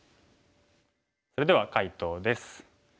それでは解答です。